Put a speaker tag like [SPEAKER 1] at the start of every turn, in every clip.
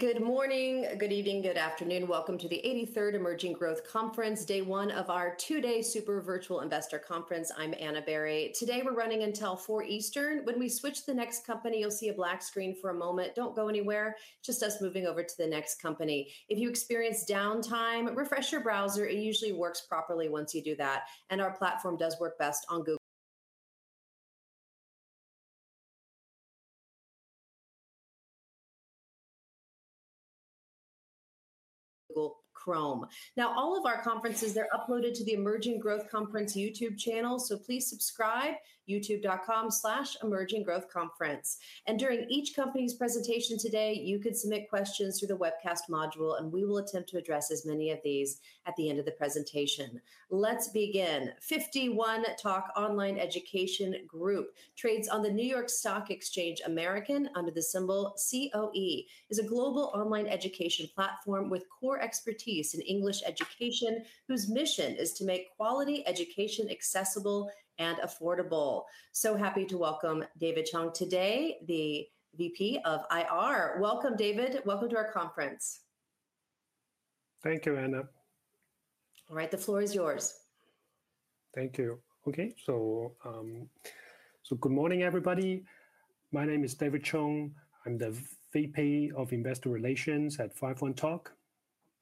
[SPEAKER 1] Good morning, good evening, good afternoon. Welcome to the 83rd Emerging Growth Conference, day one of our two-day super virtual investor conference. I'm Anna Berry. Today we're running until 4:00 P.M. Eastern. When we switch to the next company, you'll see a black screen for a moment. Don't go anywhere, just us moving over to the next company. If you experience downtime, refresh your browser. It usually works properly once you do that. Our platform does work best on Google Chrome. All of our conferences, they're uploaded to the Emerging Growth Conference YouTube channel. Please subscribe, youtube.com/emerginggrowthconference. During each company's presentation today, you could submit questions through the webcast module, and we will attempt to address as many of these at the end of the presentation. Let's begin. 51Talk Online Education Group trades on the NYSE American under the symbol COE. It's a global online education platform with core expertise in English education, whose mission is to make quality education accessible and affordable. So happy to welcome David Chung today, the VP of IR. Welcome, David. Welcome to our conference.
[SPEAKER 2] Thank you, Anna.
[SPEAKER 1] All right, the floor is yours.
[SPEAKER 2] Thank you. Okay. So good morning, everybody. My name is David Chung. I'm the VP of Investor Relations at 51Talk.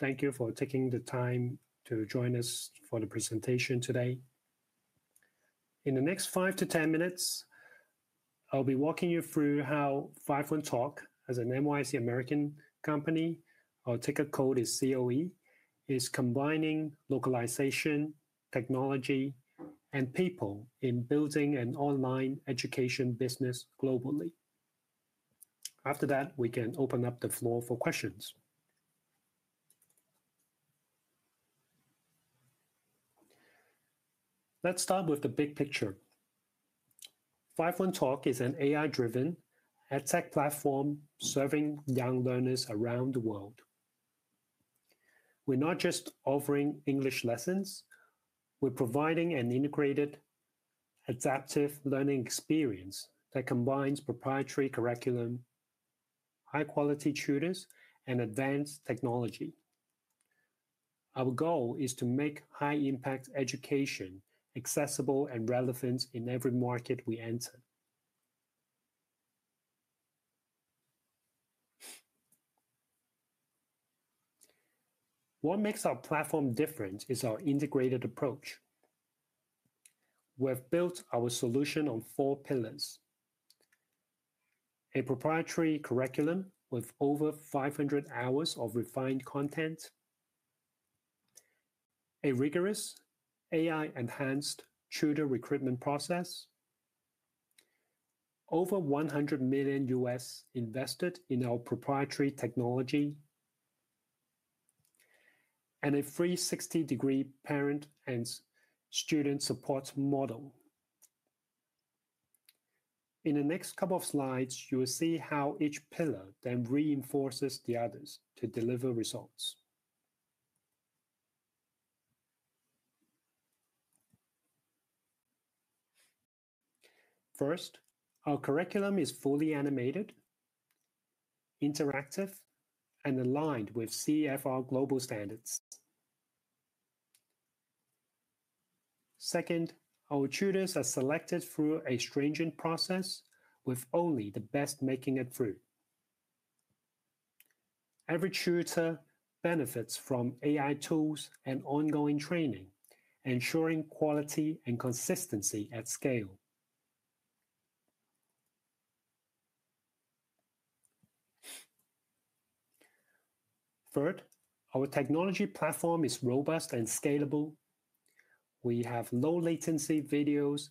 [SPEAKER 2] Thank you for taking the time to join us for the presentation today. In the next five to 10 minutes, I'll be walking you through how 51Talk, as an NYSE American company, our ticket code is COE, is combining localization, technology, and people in building an online education business globally. After that, we can open up the floor for questions. Let's start with the big picture. 51Talk is an AI-driven edtech platform serving young learners around the world. We're not just offering English lessons. We're providing an integrated, adaptive learning experience that combines proprietary curriculum, high-quality tutors, and advanced technology. Our goal is to make high-impact education accessible and relevant in every market we enter. What makes our platform different is our integrated approach. We've built our solution on four pillars: a proprietary curriculum with over 500 hours of refined content, a rigorous AI-enhanced tutor recruitment process, over $100 million invested in our proprietary technology, and a free 360-degree parent and student support model. In the next couple of slides, you will see how each pillar then reinforces the others to deliver results. First, our curriculum is fully animated, interactive, and aligned with CEFR global standards. Second, our tutors are selected through a stringent process, with only the best making it through. Every tutor benefits from AI tools and ongoing training, ensuring quality and consistency at scale. Third, our technology platform is robust and scalable. We have low-latency videos,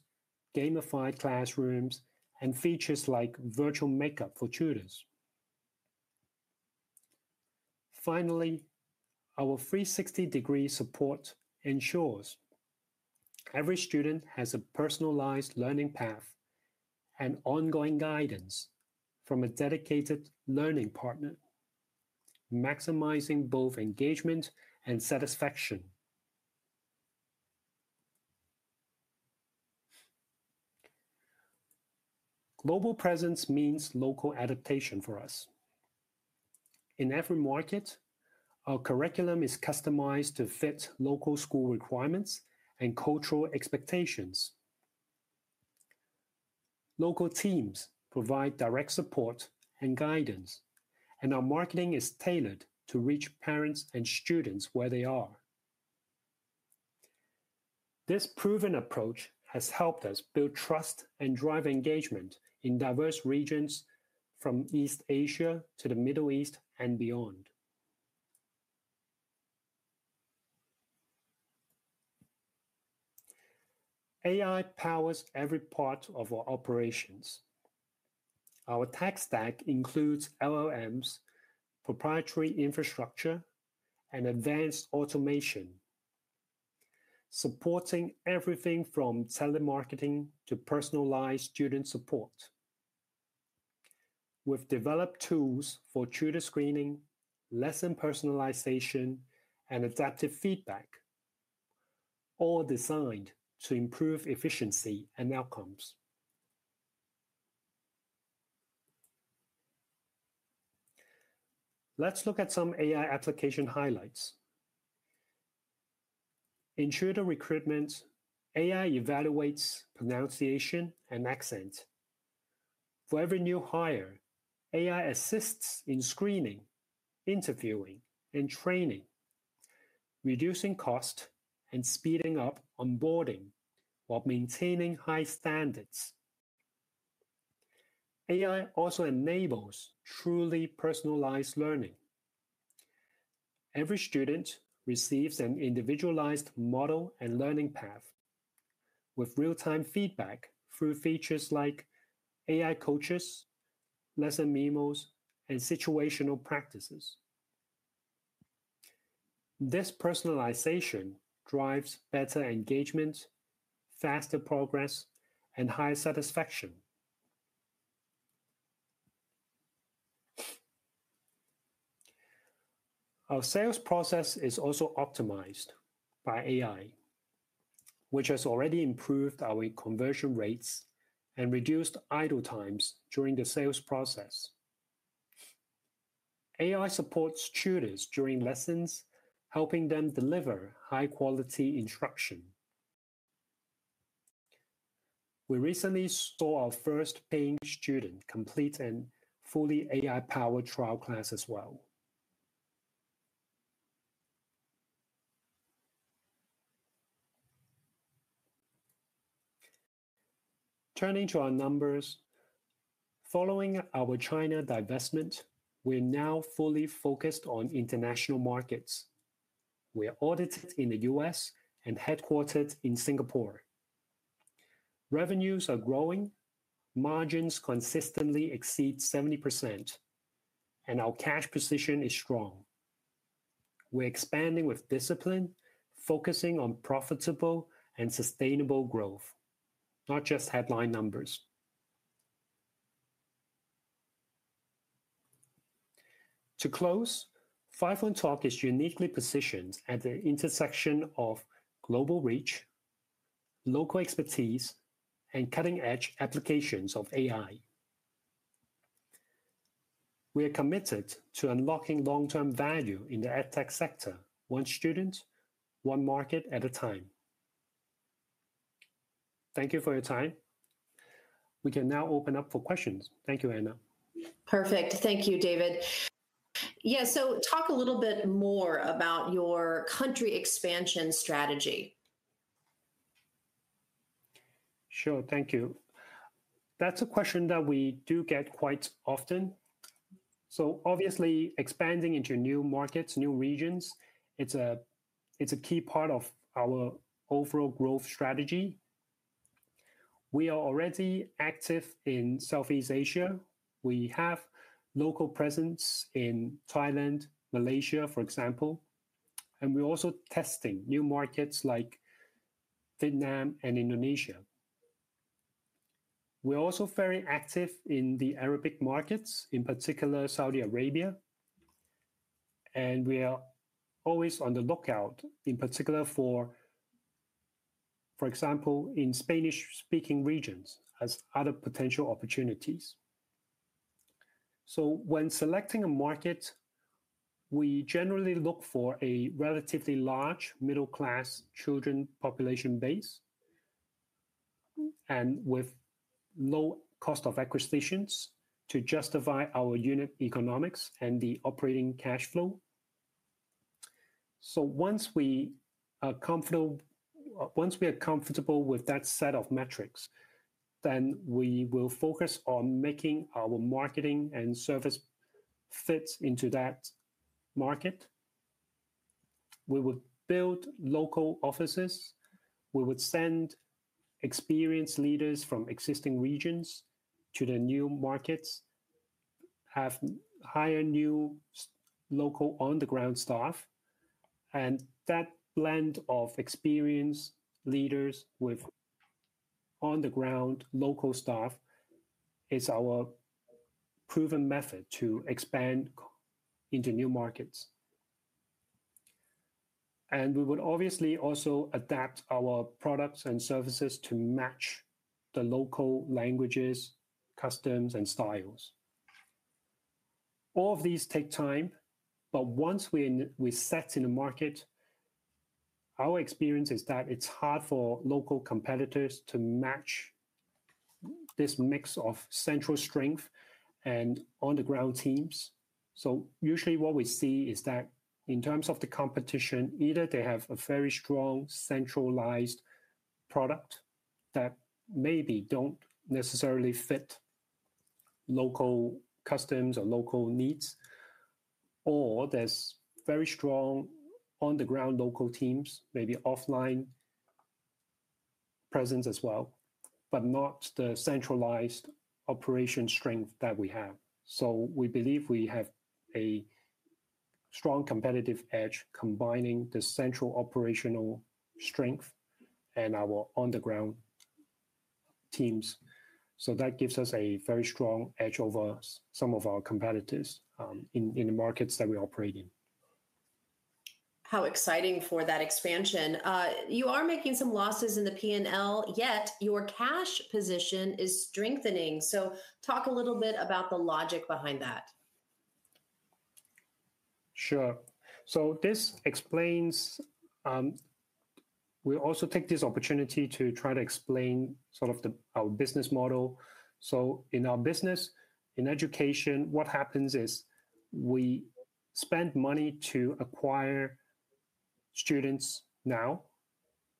[SPEAKER 2] gamified classrooms, and features like virtual makeup for tutors. Finally, our 360-degree support ensures every student has a personalized learning path and ongoing guidance from a dedicated learning partner, maximizing both engagement and satisfaction. Global presence means local adaptation for us. In every market, our curriculum is customized to fit local school requirements and cultural expectations. Local teams provide direct support and guidance, and our marketing is tailored to reach parents and students where they are. This proven approach has helped us build trust and drive engagement in diverse regions, from East Asia to the Middle East and beyond. AI powers every part of our operations. Our tech stack includes LLMs, proprietary infrastructure, and advanced automation, supporting everything from telemarketing to personalized student support. We've developed tools for tutor screening, lesson personalization, and adaptive feedback, all designed to improve efficiency and outcomes. Let's look at some AI application highlights. In tutor recruitment, AI evaluates pronunciation and accent. For every new hire, AI assists in screening, interviewing, and training, reducing cost and speeding up onboarding while maintaining high standards. AI also enables truly personalized learning. Every student receives an individualized model and learning path, with real-time feedback through features like AI coaches, lesson memos, and situational practices. This personalization drives better engagement, faster progress, and higher satisfaction. Our sales process is also optimized by AI, which has already improved our conversion rates and reduced idle times during the sales process. AI supports tutors during lessons, helping them deliver high-quality instruction. We recently saw our first paying student complete a fully AI-powered trial class as well. Turning to our numbers, following our China divestment, we're now fully focused on international markets. We're audited in the U.S. and headquartered in Singapore. Revenues are growing, margins consistently exceed 70%, and our cash position is strong. We're expanding with discipline, focusing on profitable and sustainable growth, not just headline numbers. To close, 51Talk is uniquely positioned at the intersection of global reach, local expertise, and cutting-edge applications of AI. We are committed to unlocking long-term value in the edtech sector, one student, one market at a time. Thank you for your time. We can now open up for questions. Thank you, Anna.
[SPEAKER 1] Perfect. Thank you, David. Yeah, so talk a little bit more about your country expansion strategy.
[SPEAKER 2] Sure, thank you. That's a question that we do get quite often. Obviously, expanding into new markets, new regions, it's a key part of our overall growth strategy. We are already active in Southeast Asia. We have local presence in Thailand, Malaysia, for example. We're also testing new markets like Vietnam and Indonesia. We're also very active in the Arabic markets, in particular Saudi Arabia. We are always on the lookout, in particular for, for example, in Spanish-speaking regions, as other potential opportunities. When selecting a market, we generally look for a relatively large middle-class children population base and with low cost of acquisitions to justify our unit economics and the operating cash flow. Once we are comfortable with that set of metrics, then we will focus on making our marketing and service fit into that market. We would build local offices. We would send experienced leaders from existing regions to the new markets, hire new local on-the-ground staff. That blend of experienced leaders with on-the-ground local staff is our proven method to expand into new markets. We would obviously also adapt our products and services to match the local languages, customs, and styles. All of these take time. Once we're set in the market, our experience is that it's hard for local competitors to match this mix of central strength and on-the-ground teams. Usually, what we see is that in terms of the competition, either they have a very strong centralized product that maybe does not necessarily fit local customs or local needs, or there are very strong on-the-ground local teams, maybe offline presence as well, but not the centralized operation strength that we have. We believe we have a strong competitive edge combining the central operational strength and our on-the-ground teams. That gives us a very strong edge over some of our competitors in the markets that we operate in.
[SPEAKER 1] How exciting for that expansion. You are making some losses in the P&L, yet your cash position is strengthening. Talk a little bit about the logic behind that.
[SPEAKER 2] Sure. So this explains we also take this opportunity to try to explain sort of our business model. In our business, in education, what happens is we spend money to acquire students now,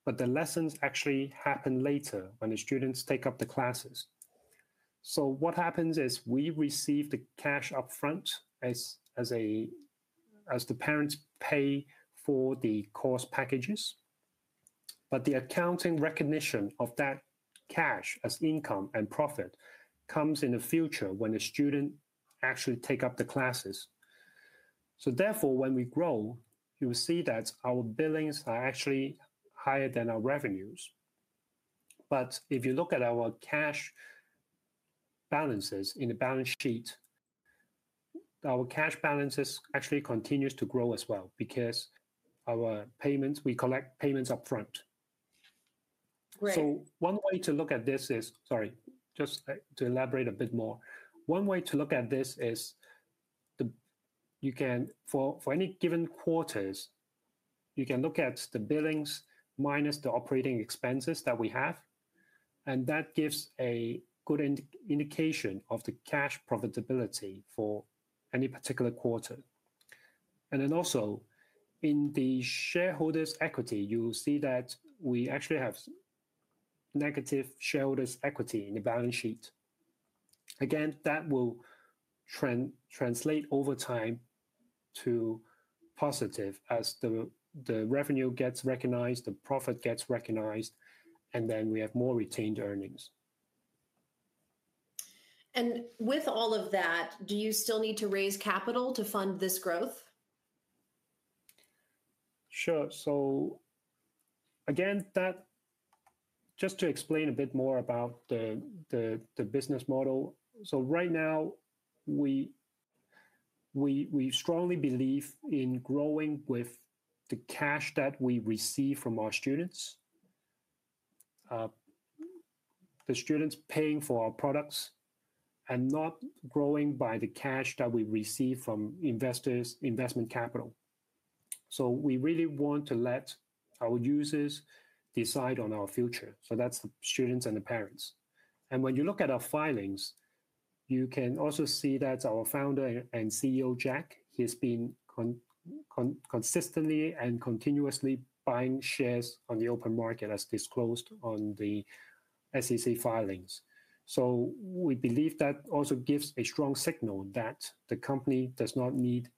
[SPEAKER 2] but the lessons actually happen later when the students take up the classes. What happens is we receive the cash upfront as the parents pay for the course packages. The accounting recognition of that cash as income and profit comes in the future when the student actually takes up the classes. Therefore, when we grow, you will see that our billings are actually higher than our revenues. If you look at our cash balances in the balance sheet, our cash balances actually continue to grow as well because our payments, we collect payments upfront.
[SPEAKER 1] Great.
[SPEAKER 2] One way to look at this is, sorry, just to elaborate a bit more. One way to look at this is you can, for any given quarter, you can look at the billings minus the operating expenses that we have. That gives a good indication of the cash profitability for any particular quarter. Also, in the shareholders' equity, you will see that we actually have negative shareholders' equity in the balance sheet. Again, that will translate over time to positive as the revenue gets recognized, the profit gets recognized, and then we have more retained earnings.
[SPEAKER 1] With all of that, do you still need to raise capital to fund this growth?
[SPEAKER 2] Sure. Just to explain a bit more about the business model, right now, we strongly believe in growing with the cash that we receive from our students, the students paying for our products, and not growing by the cash that we receive from investors, investment capital. We really want to let our users decide on our future. That is the students and the parents. When you look at our filings, you can also see that our founder and CEO, Jack, has been consistently and continuously buying shares on the open market as disclosed on the SEC filings. We believe that also gives a strong signal that the company does not need,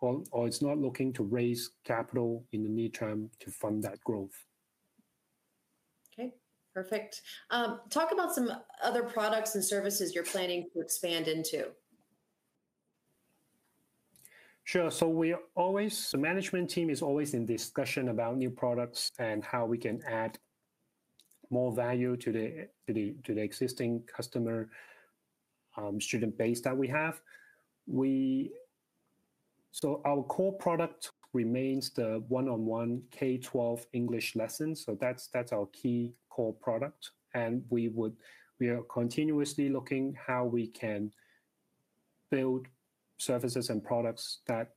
[SPEAKER 2] or is not looking to raise capital in the near term to fund that growth.
[SPEAKER 1] OK, perfect. Talk about some other products and services you're planning to expand into.
[SPEAKER 2] Sure. The management team is always in discussion about new products and how we can add more value to the existing customer student base that we have. Our core product remains the one-on-one K-12 English lessons. That is our key core product. We are continuously looking at how we can build services and products that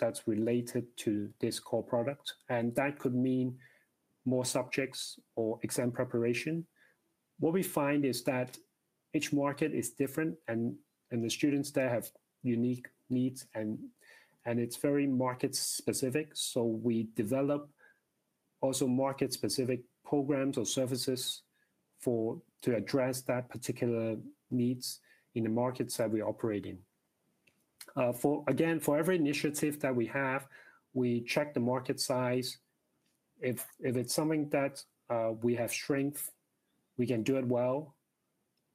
[SPEAKER 2] are related to this core product. That could mean more subjects or exam preparation. What we find is that each market is different, and the students there have unique needs. It is very market-specific. We develop also market-specific programs or services to address that particular needs in the markets that we operate in. Again, for every initiative that we have, we check the market size. If it is something that we have strength, we can do it well.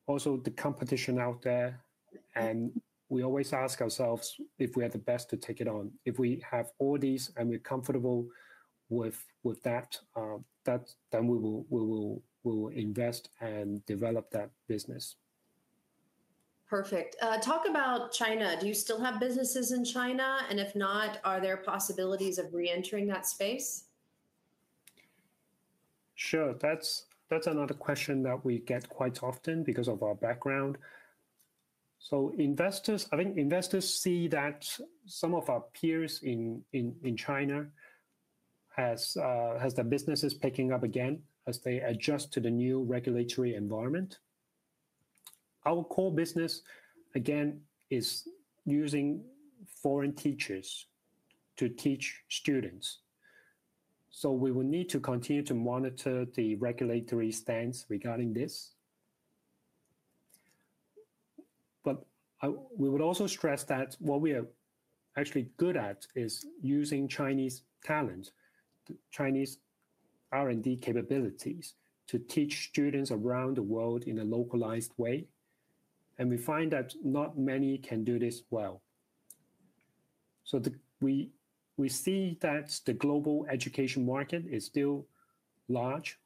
[SPEAKER 2] Also, the competition out there. We always ask ourselves if we are the best to take it on. If we have all these and we're comfortable with that, then we will invest and develop that business.
[SPEAKER 1] Perfect. Talk about China. Do you still have businesses in China? If not, are there possibilities of reentering that space?
[SPEAKER 2] Sure. That is another question that we get quite often because of our background. I think investors see that some of our peers in China have their businesses picking up again as they adjust to the new regulatory environment. Our core business, again, is using foreign teachers to teach students. We will need to continue to monitor the regulatory stance regarding this. We would also stress that what we are actually good at is using Chinese talent, Chinese R&D capabilities to teach students around the world in a localized way. We find that not many can do this well. We see that the global education market is still large,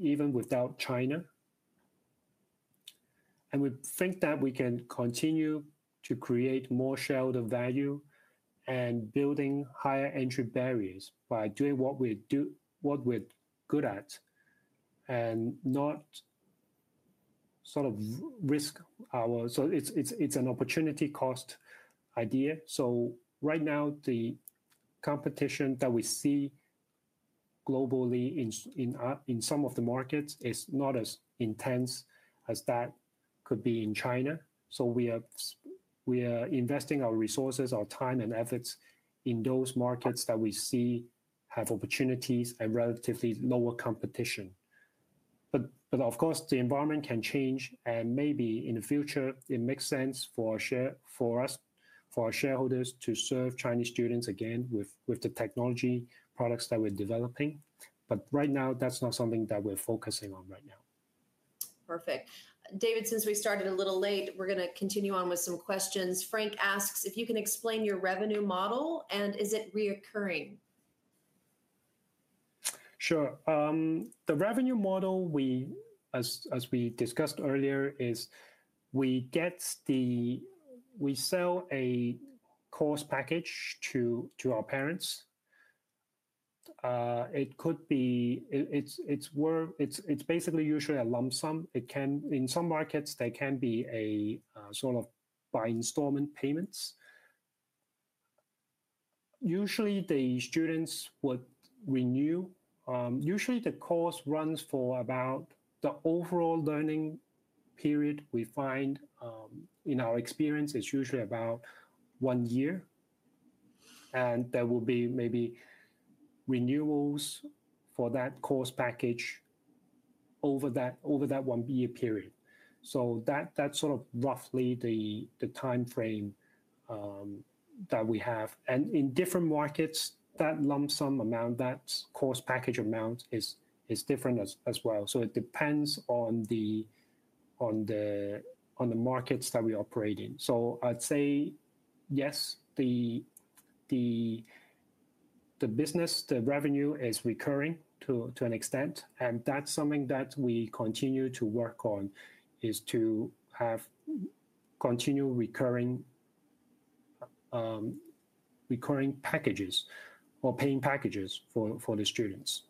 [SPEAKER 2] even without China. We think that we can continue to create more shareholder value and build higher entry barriers by doing what we are good at and not sort of risk our—so it is an opportunity cost idea. Right now, the competition that we see globally in some of the markets is not as intense as that could be in China. We are investing our resources, our time, and efforts in those markets that we see have opportunities and relatively lower competition. Of course, the environment can change. Maybe in the future, it makes sense for us, for our shareholders, to serve Chinese students again with the technology products that we're developing. Right now, that's not something that we're focusing on right now.
[SPEAKER 1] Perfect. David, since we started a little late, we're going to continue on with some questions. Frank asks if you can explain your revenue model, and is it recurring?
[SPEAKER 2] Sure. The revenue model, as we discussed earlier, is we sell a course package to our parents. It's basically usually a lump sum. In some markets, there can be a sort of by installment payments. Usually, the students would renew. Usually, the course runs for about the overall learning period we find, in our experience, is usually about one year. There will be maybe renewals for that course package over that one-year period. That is sort of roughly the time frame that we have. In different markets, that lump sum amount, that course package amount, is different as well. It depends on the markets that we operate in. I'd say, yes, the business, the revenue is recurring to an extent. That is something that we continue to work on, is to have continual recurring packages or paying packages for the students.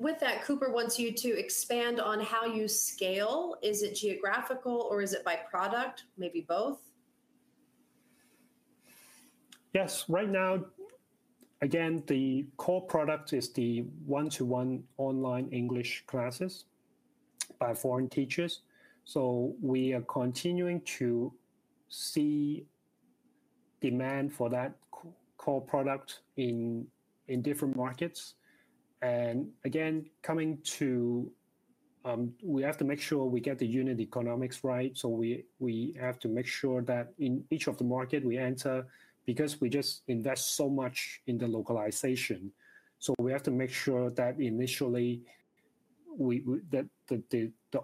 [SPEAKER 1] With that, Cooper wants you to expand on how you scale. Is it geographical, or is it by product, maybe both?
[SPEAKER 2] Yes. Right now, again, the core product is the one-to-one online English classes by foreign teachers. We are continuing to see demand for that core product in different markets. Again, we have to make sure we get the unit economics right. We have to make sure that in each of the markets we enter, because we just invest so much in the localization, we have to make sure that initially the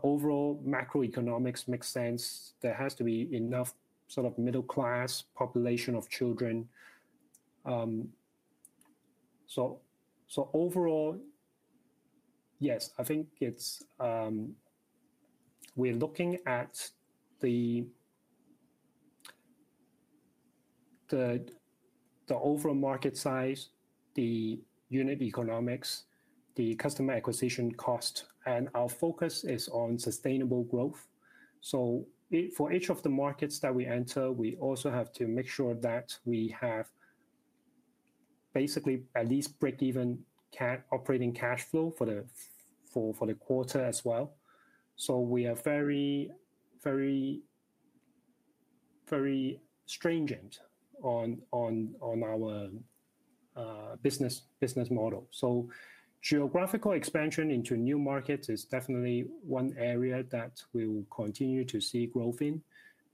[SPEAKER 2] overall macroeconomics makes sense. There has to be enough sort of middle-class population of children. Overall, yes, I think we're looking at the overall market size, the unit economics, the customer acquisition cost. Our focus is on sustainable growth. For each of the markets that we enter, we also have to make sure that we have basically at least break-even operating cash flow for the quarter as well. We are very, very stringent on our business model. Geographical expansion into new markets is definitely one area that we will continue to see growth in.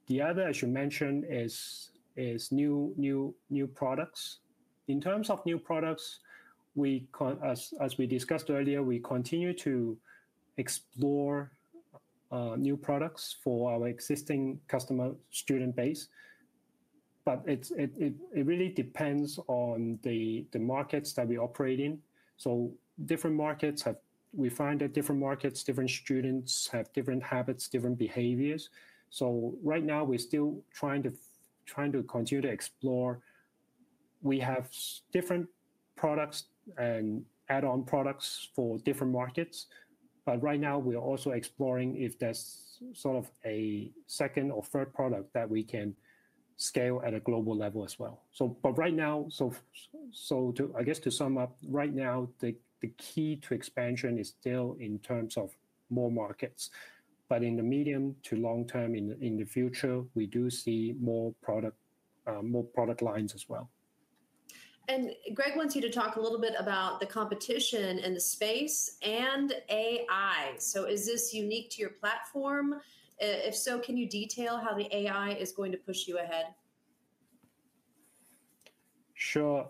[SPEAKER 2] The other, I should mention, is new products. In terms of new products, as we discussed earlier, we continue to explore new products for our existing customer student base. It really depends on the markets that we operate in. Different markets, we find that different markets, different students have different habits, different behaviors. Right now, we're still trying to continue to explore. We have different products and add-on products for different markets. Right now, we're also exploring if there's sort of a second or third product that we can scale at a global level as well. I guess to sum up, right now, the key to expansion is still in terms of more markets. In the medium to long term, in the future, we do see more product lines as well.
[SPEAKER 1] Greg wants you to talk a little bit about the competition in the space and AI. Is this unique to your platform? If so, can you detail how the AI is going to push you ahead?
[SPEAKER 2] Sure.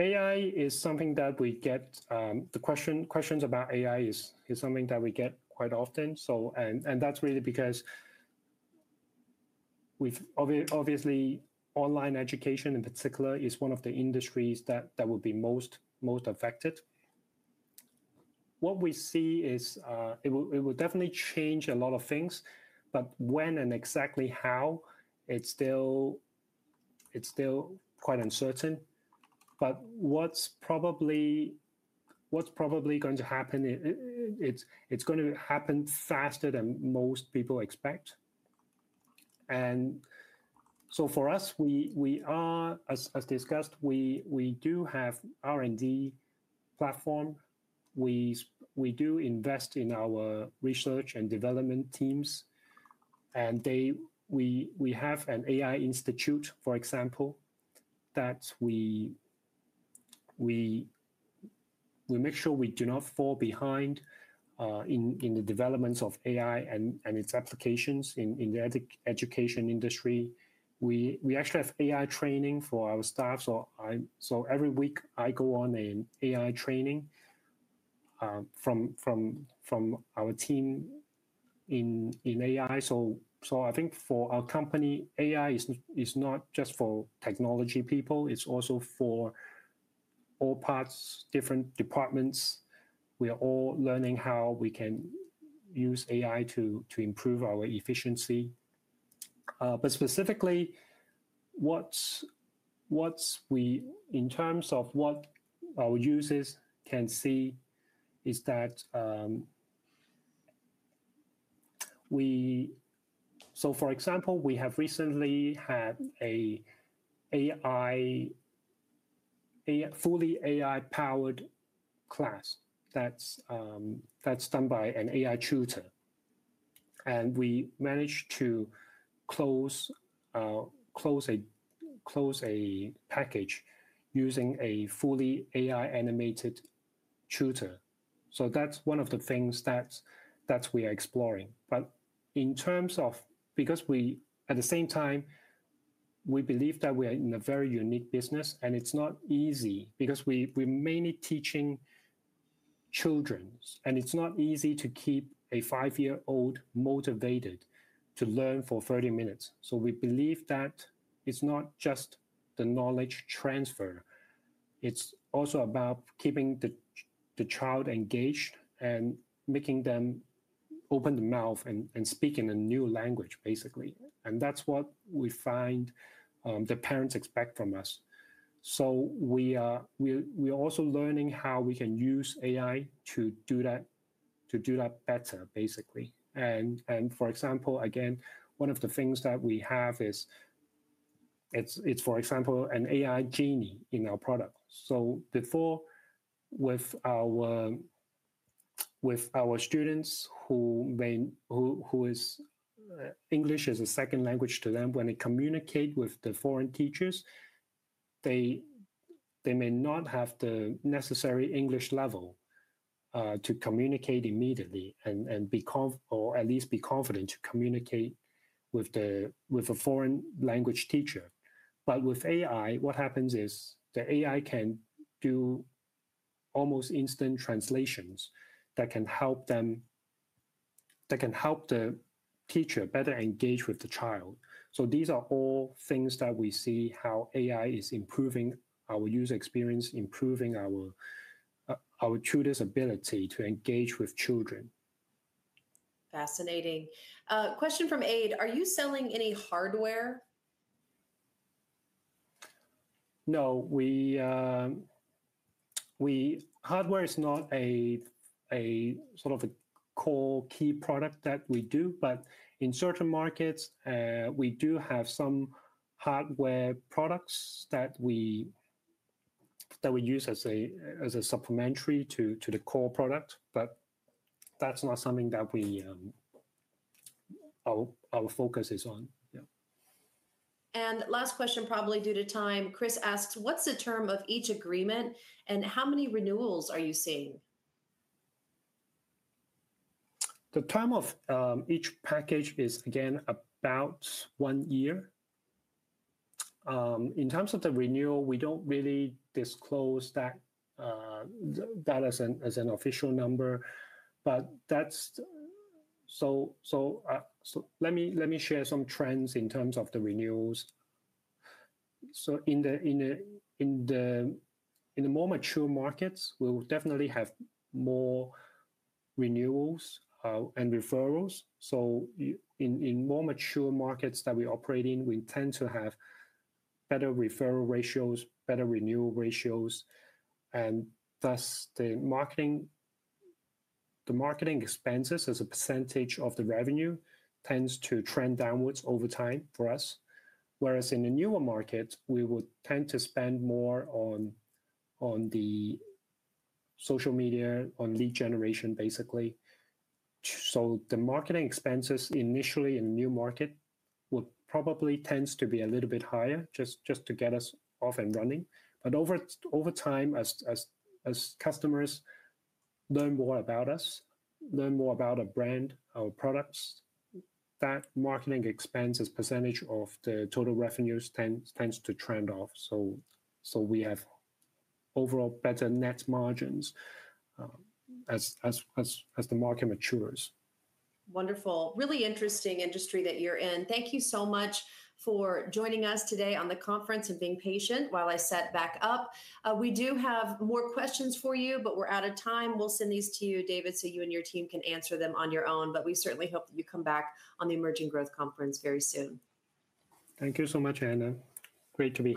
[SPEAKER 2] AI is something that we get questions about quite often. That is really because obviously, online education in particular is one of the industries that will be most affected. What we see is it will definitely change a lot of things. When and exactly how, it is still quite uncertain. What is probably going to happen, it is going to happen faster than most people expect. For us, as discussed, we do have an R&D platform. We do invest in our research and development teams. We have an AI Institute, for example, that we make sure we do not fall behind in the developments of AI and its applications in the education industry. We actually have AI training for our staff. Every week, I go on an AI training from our team in AI. I think for our company, AI is not just for technology people. It's also for all parts, different departments. We are all learning how we can use AI to improve our efficiency. Specifically, in terms of what our users can see, for example, we have recently had a fully AI-powered class that's done by an AI tutor. We managed to close a package using a fully AI-animated tutor. That's one of the things that we are exploring. In terms of because at the same time, we believe that we are in a very unique business. It's not easy because we mainly teach children. It's not easy to keep a five-year-old motivated to learn for 30 minutes. We believe that it's not just the knowledge transfer. It's also about keeping the child engaged and making them open their mouth and speak in a new language, basically. That's what we find the parents expect from us. We are also learning how we can use AI to do that better, basically. For example, one of the things that we have is an AI genie in our product. With our students, who have English as a second language, when they communicate with the foreign teachers, they may not have the necessary English level to communicate immediately or at least be confident to communicate with a foreign language teacher. With AI, what happens is the AI can do almost instant translations that can help the teacher better engage with the child. These are all things that we see how AI is improving our user experience, improving our tutor's ability to engage with children.
[SPEAKER 1] Fascinating. Question from Ade. Are you selling any hardware?
[SPEAKER 2] No. Hardware is not a sort of core key product that we do. In certain markets, we do have some hardware products that we use as a supplementary to the core product. That's not something that our focus is on.
[SPEAKER 1] Last question, probably due to time. Chris asks, what's the term of each agreement? And how many renewals are you seeing?
[SPEAKER 2] The term of each package is, again, about one year. In terms of the renewal, we do not really disclose that as an official number. Let me share some trends in terms of the renewals. In the more mature markets, we will definitely have more renewals and referrals. In more mature markets that we operate in, we tend to have better referral ratios, better renewal ratios. Thus, the marketing expenses as a percentage of the revenue tends to trend downwards over time for us. Whereas in the newer markets, we would tend to spend more on the social media, on lead generation, basically. The marketing expenses initially in a new market would probably tend to be a little bit higher just to get us off and running. Over time, as customers learn more about us, learn more about our brand, our products, that marketing expense as a percentage of the total revenues tends to trend off. We have overall better net margins as the market matures.
[SPEAKER 1] Wonderful. Really interesting industry that you're in. Thank you so much for joining us today on the conference and being patient while I sat back up. We do have more questions for you, but we're out of time. We'll send these to you, David, so you and your team can answer them on your own. We certainly hope that you come back on the Emerging Growth Conference very soon.
[SPEAKER 2] Thank you so much, Anna. Great to be.